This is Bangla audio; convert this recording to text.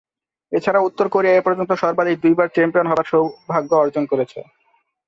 এছাড়াও, উত্তর কোরিয়া এ পর্যন্ত সর্বাধিক দুইবার চ্যাম্পিয়ন হবার সৌভাগ্য অর্জন করেছে।